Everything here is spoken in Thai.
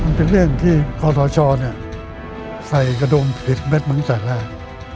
มันเป็นเรื่องที่โคดรทชใส่กระดงผิดเบตมังสาอยร่าง